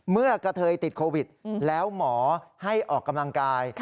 กระเทยติดโควิดแล้วหมอให้ออกกำลังกาย